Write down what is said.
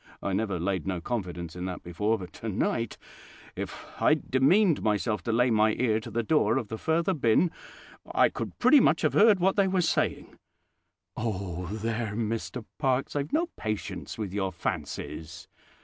I never laid no confidence in that before; but tonight, if I'd demeaned myself to lay my ear to the door of the further bin, I could pretty much have heard what they was saying." "Oh, there, Mr Parkes, I've no patience with your fancies!